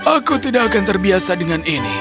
aku tidak akan terbiasa dengan ini